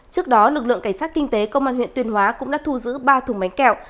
trước đó lực lượng cảnh sát kinh tế công an huyện tuyên hóa cũng đã thu giữ ba thùng bánh kẹo